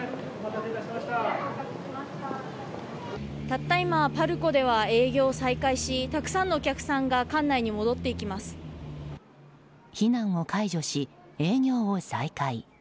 たった今、パルコでは営業を再開したくさんのお客さんが避難を解除し、営業を再開。